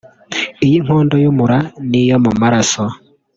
iy’inkondo y’umura n’iyo mu maraso